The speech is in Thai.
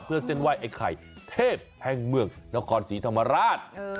เพื่อเส้นไหว้ไอ้ไข่เทพแห่งเมืองนครศรีธรรมราช